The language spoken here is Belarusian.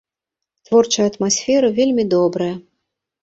Творчая атмасфера вельмі добрая.